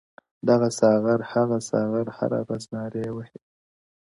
دغه ساغر هغه ساغر هره ورځ نارې وهي؛